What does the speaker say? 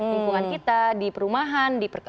lingkungan kita di perumahan